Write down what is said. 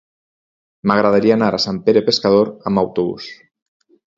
M'agradaria anar a Sant Pere Pescador amb autobús.